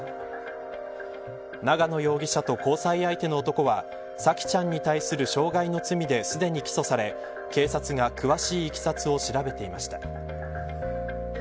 長野容疑者と交際相手の男は沙季ちゃんに対する傷害の罪ですでに起訴され警察が詳しいいきさつを調べていました。